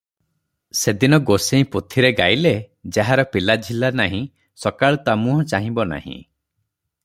ସେ ଦିନ ଗୋସେଇଁ ପୋଥିରେ ଗାଇଲେ - "ଯାହାର ପିଲାଝିଲା ନାହିଁ, ସକାଳୁ ତା ମୁହଁ ଚାହିଁବ ନାହିଁ ।